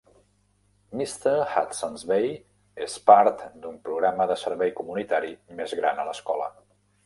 Mr. Hudson's Bay és part d'un programa de servei comunitari més gran a l'escola.